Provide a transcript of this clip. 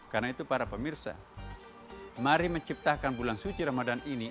karena itu para pemirsa mari menciptakan bulan suci ramadhan ini